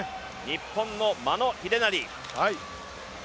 日本の眞野秀成。